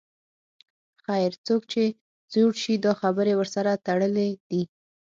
خیر، څوک چې زوړ شي دا خبرې ورسره تړلې دي.